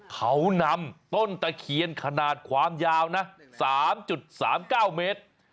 เขานำต้นตะเคียนขนาดความยาวนะ๓๓๙เมตร